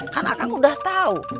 karena akang udah tahu